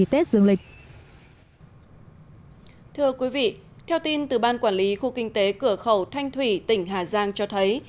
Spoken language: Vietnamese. thưa quý vị theo tin từ ban quản lý khu kinh tế cửa khẩu thanh thủy tỉnh hà giang cho thấy